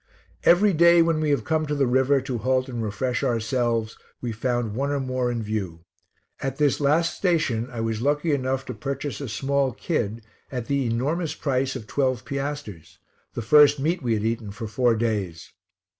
Every day when we have come to the river to halt and refresh ourselves, we found one or more in view. At this last station I was lucky enough to purchase a small kid at the enormous price of twelve piasters, the first meat we had eaten for four days.